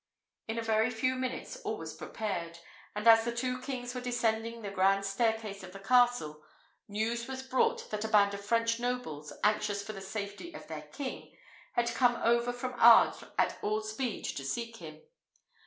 In a very few minutes all was prepared; and as the two kings were descending the grand staircase of the castle, news was brought that a band of French nobles, anxious for the safety of their king, had come over from Ardres at all speed to seek him.